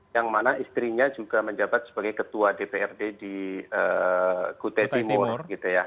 yang mana istrinya juga menjabat sebagai ketua dprd di kutai timur